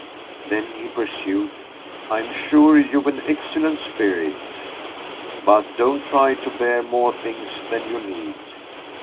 Then he pursued: "I'm sure you've an excellent spirit; but don't try to bear more things than you need."